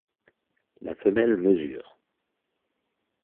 La femelle mesure.